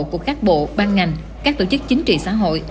của các bộ ban ngành các tổ chức chính trị xã hội